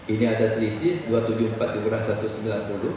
ini ada selisih rp dua ratus tujuh puluh empat dikurang rp satu ratus sembilan puluh